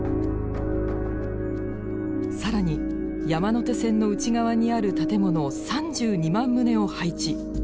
更に山手線の内側にある建物３２万棟を配置。